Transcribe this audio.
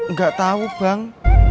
nggak tau bang